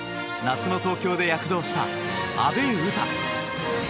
夏の東京で躍動した阿部詩。